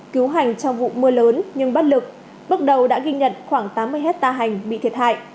cứu hành trong vụ mưa lớn nhưng bất lực bước đầu đã ghi nhận khoảng tám mươi hectare hành bị thiệt hại